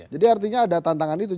jadi artinya ada tantangan itu